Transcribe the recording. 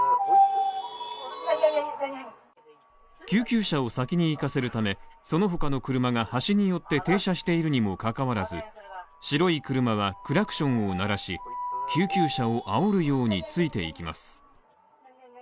救急車を先に行かせるため、その他の車が端に寄って停車しているにもかかわらず白い車はクラクションを鳴らし、救急車をあおるようについていきます。